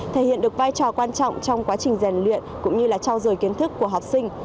thể hiện được vai trò quan trọng trong quá trình rèn luyện cũng như trao dồi kiến thức của học sinh